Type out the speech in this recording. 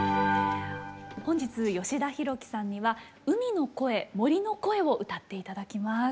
本日吉田ひろきさんには「海の声森の声」を歌って頂きます。